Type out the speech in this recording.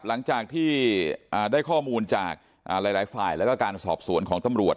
หลังจากที่ได้ข้อมูลจากหลายฝ่ายแล้วก็การสอบสวนของตำรวจ